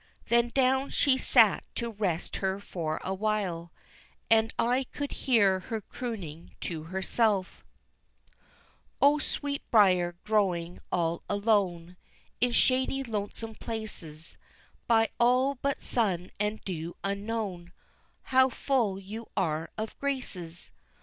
Then down she sat to rest her for awhile, And I could hear her crooning to herself: "O Sweetbriar, growing all alone In shady, lonesome places, By all but sun and dew unknown, How full you are of graces!